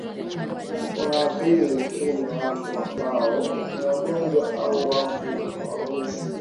unaathiri uchumi Watu ambao ni wagonjwa au wafu hawawezi